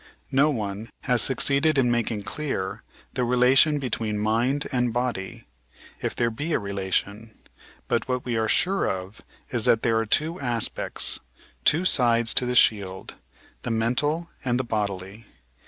No one has succeeded in making clear the relation between mind and body, if there be a relation, but what we are sure of is that there are two aspects, two sides to the shield, the mental and the bodily.